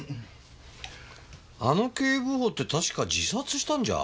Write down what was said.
あの警部補って確か自殺したんじゃ？